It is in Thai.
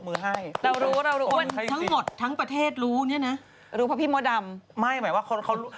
ไม่หมายความว่าเขารู้